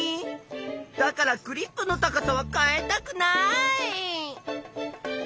だからクリップの高さは変えたくない！